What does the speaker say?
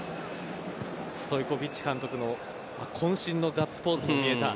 ストイコヴィッチ監督のこん身のガッツポーズが見えた